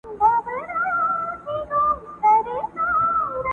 چوروندوک چي هم چالاکه هم هوښیار دی٫